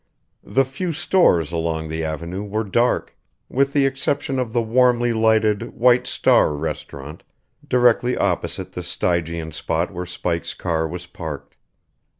The few stores along the avenue were dark, with the exception of the warmly lighted White Star restaurant directly opposite the Stygian spot where Spike's car was parked.